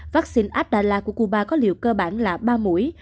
vaccine adela của cuba có liều cơ bản là ba mũi